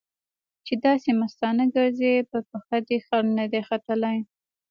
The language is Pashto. چې داسې مستانه ګرځې؛ پر پښه دې خر نه دی ختلی.